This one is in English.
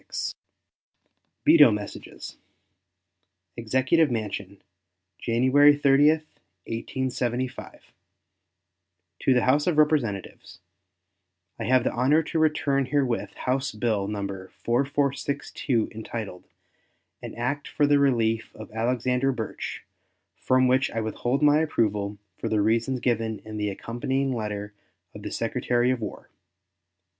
GRANT. VETO MESSAGES. EXECUTIVE MANSION, January 30, 1875. To the House of Representatives: I have the honor to return herewith House bill No. 4462, entitled "An act for the relief of Alexander Burtch," from which I withhold my approval for the reasons given in the accompanying letter of the Secretary of War.